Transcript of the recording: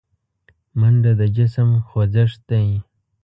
منډه د جسم خوځښت دی